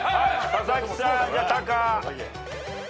佐々木さんタカ。